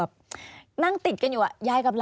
อันดับ๖๓๕จัดใช้วิจิตร